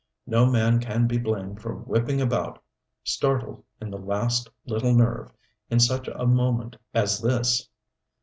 No man can be blamed for whipping about, startled in the last, little nerve, in such a moment as this.